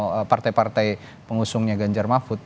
atau partai partai pengusungnya ganjar mahfud